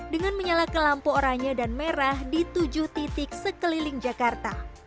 dengan menyala ke lampu oranye dan merah di tujuh titik sekeliling jakarta